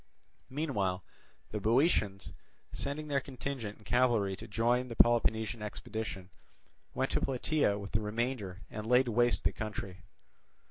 Meanwhile the Boeotians, sending their contingent and cavalry to join the Peloponnesian expedition, went to Plataea with the remainder and laid waste the country.